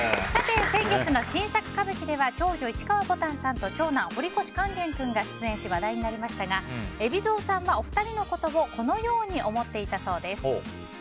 先月の新作歌舞伎では長女・市川ぼたんさんと長男・堀越勸玄君が出演し話題になりましたが海老蔵さんお二人のことをこのように思っていたそうです。